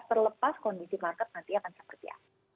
terlepas kondisi market nanti akan seperti apa